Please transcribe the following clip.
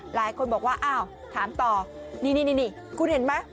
หลายคนบอกว่าอ้าวถามต่อนี่คุณเห็นไหม